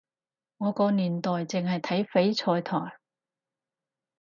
我個年代淨係睇翡翠台